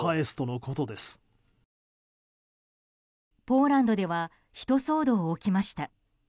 ポーランドではひと騒動起きました。